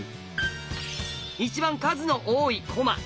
一番数の多い駒。